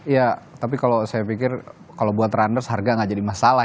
ya tapi kalau saya pikir kalau buat rundos harga nggak jadi masalah